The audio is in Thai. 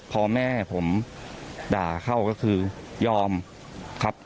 พอแม่ผมด่าเข้าก็คือยอมครับ